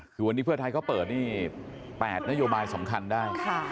คือวันนี้เพื่อไทยเขาเปิดนี่๘นโยบายสำคัญได้